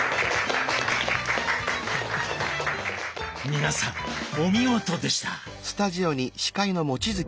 皆さんお見事でした！